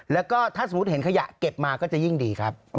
แล้วก็ถ้าสมมุติเห็นขยะเก็บมาก็จะยิ่งดีครับ